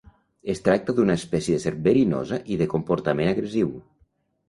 Es tracta d'una espècie de serp verinosa i de comportament agressiu.